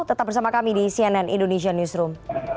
tetap bersama kami di cnn indonesia newsroom